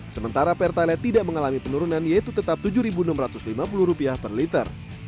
sementara pertalite tidak mengalami penurunan yaitu tetap rp tujuh enam ratus lima puluh per liter